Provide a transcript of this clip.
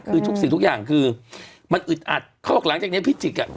คือทุกสิ่งทุกอย่างคือมันอึดอัดเขาบอกหลังจากเนี้ยพิจิกอ่ะ